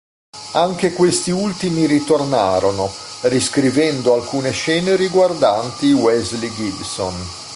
Anche questi ultimi ritornarono, riscrivendo alcune scene riguardanti Wesley Gibson.